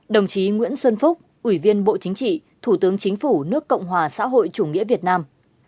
đồng chí nguyễn xuân phúc ủy viên bộ chính trị thủ tướng chính phủ nước cộng hòa xã hội chủ nghĩa việt nam